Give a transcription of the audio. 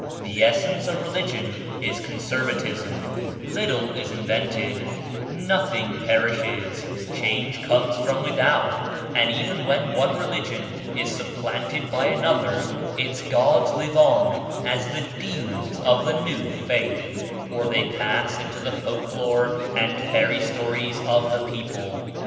The essence of religion is conservatism; little is invented; nothing perishes; change comes from without; and even when one religion is supplanted by another its gods live on as the demons of the new faith, or they pass into the folk lore and fairy stories of the people.